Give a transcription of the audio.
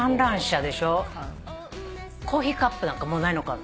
コーヒーカップなんかもうないのかな？